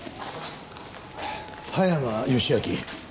葉山義明。